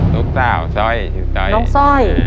น้องซ่อย